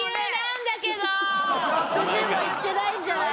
６０もいってないんじゃない？